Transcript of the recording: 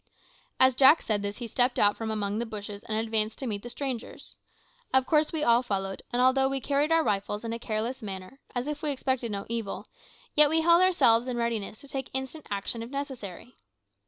As Jack said this he stepped out from among the bushes and advanced to meet the strangers. Of course we all followed, and although we carried our rifles in a careless manner, as if we expected no evil, yet we held ourselves in readiness to take instant action if necessary.